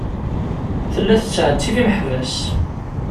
Tella tettɛettib imeḥbas.